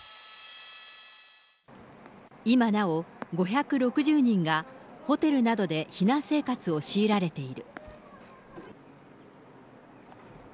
今なお、５６０人がホテルなどで避難生活を強いられている。